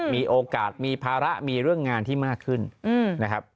มีโอกาสมีภาระมีเรื่องงานที่มากขึ้นนะครับ